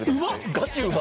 ガチうま！